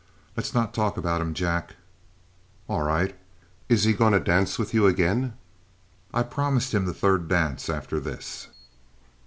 "Let's not talk about him, Jack." "All right. Is he going to dance with you again?" "I promised him the third dance after this."